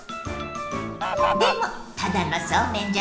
でもただのそうめんじゃないわ！